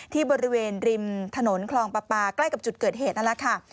ที่บริเวณริมถนนคลองปลาปลาใกล้กับจุดเกิดเหตุนั่นแหละค่ะ